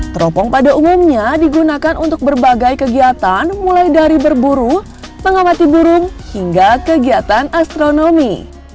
teropong pada umumnya digunakan untuk berbagai kegiatan mulai dari berburu mengamati burung hingga kegiatan astronomi